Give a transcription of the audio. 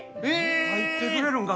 入ってくれるんか？